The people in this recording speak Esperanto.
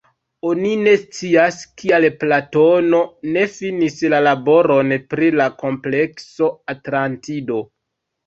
Oni ne scias, kial Platono ne finis la laboron pri la komplekso Atlantido.